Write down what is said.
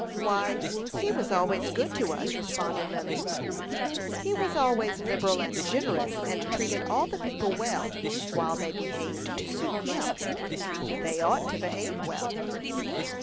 "Why, he was always good to us," responded Lily. "He was always liberal and generous, and treated all the people well, while they behaved to suit him." "They ought to behave well."